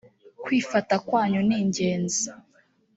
kwifata kwanyu ningenzi